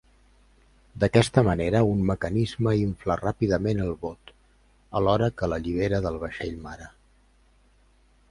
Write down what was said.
D'aquesta manera, un mecanisme infla ràpidament el bot, alhora que l'allibera del vaixell mare.